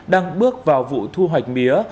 đang bước vào vụ thu hoạch mía